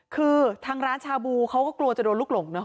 คือทางร้านชาบูเขาก็กลัวจะโดนลูกหลงเนอ